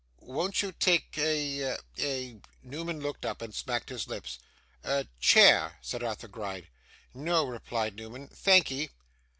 'Won't you take a a ' Newman looked up, and smacked his lips. ' A chair?' said Arthur Gride. 'No,' replied Newman. 'Thankee.